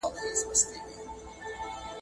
تېر نسل د عمل پر ځای تيوري ته ارزښت ورکړ.